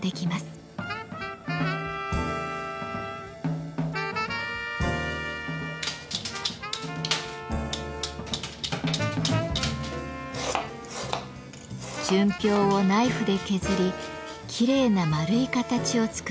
純氷をナイフで削りきれいな丸い形を作ります。